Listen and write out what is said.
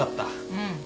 うん。